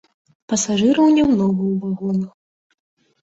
Пасажыраў нямнога ў вагонах.